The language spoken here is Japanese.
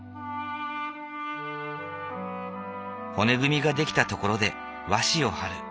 骨組みが出来たところで和紙をはる。